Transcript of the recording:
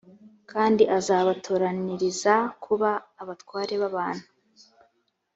kandi azabatoraniriza kuba abatware b’abantu